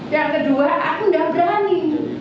yang kedua aku gak berani